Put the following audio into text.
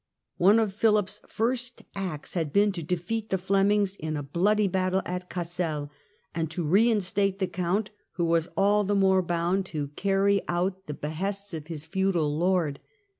One of Philip's first acts had been to defeat the Flemings in a bloody battle at Cassel, and to rein state the Count who was all the more bound to carry FRENCH HISTORY, 1328 1380 131 out the behests of his feudal lord.